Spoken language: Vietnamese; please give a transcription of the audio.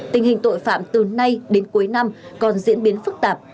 tình hình tội phạm từ nay đến cuối năm còn diễn biến phức tạp